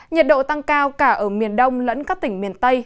nhiệt độ tăng cao cả ở miền đông lẫn các tỉnh miền tây